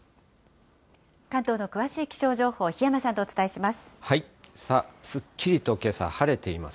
関東の詳しい気象情報、檜山さんとお伝えします。